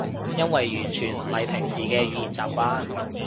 因為完全唔係平時嘅語言習慣